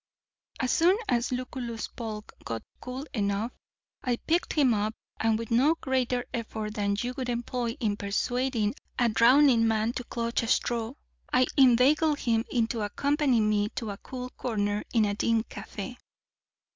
As soon as Lucullus Polk got cool enough I picked him up, and with no greater effort than you would employ in persuading a drowning man to clutch a straw, I inveigled him into accompanying me to a cool corner in a dim café.